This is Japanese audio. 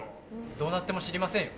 どうなっても知りませんよ？